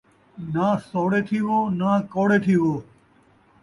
ناں سوڑے تھیوو ، ناں کَوڑے تھیوو